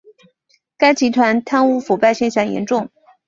该集团贪污腐败现象严重。